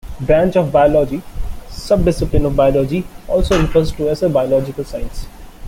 Branch of biology - subdiscipline of biology, also referred to as a biological science.